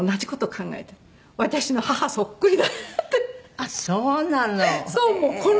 あっそうなの。